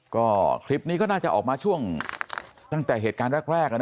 ก็คลิปนี้ก็น่าจะออกมาช่วงตั้งแต่เหตุการณ์แรก